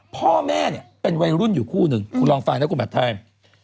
พ่อแม่เป็นวัยรุ่นอยู่คู่นึงคุณลองฟันแล้วคุณแบบท่าย